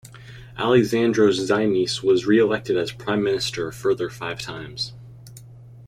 Alexandros Zaimis was re-elected as Prime Minister a further five times.